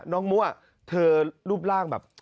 น้องมุเธอรูปร่างแบบ